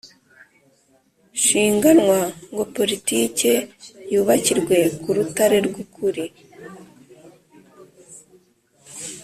shinganwa ngo politike yubakirwe ku rutare rw' ukuli,